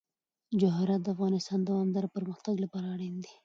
جواهرات د افغانستان د دوامداره پرمختګ لپاره اړین دي.